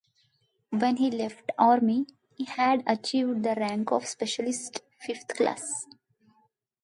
When he left the Army, he had achieved the rank of Specialist Fifth Class.